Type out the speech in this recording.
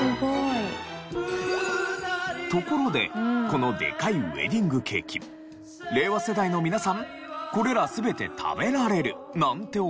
ところでこのでかいウエディングケーキ令和世代の皆さんこれら全て食べられるなんて思ってませんか？